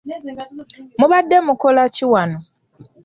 Mubadde mukola ki wano?